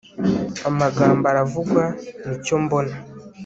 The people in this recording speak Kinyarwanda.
amagambo aravugwa, nicyo mbona